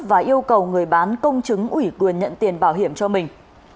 và yêu cầu người bán công chứng ủy quyền nhận tiền bảo hiểm cho mình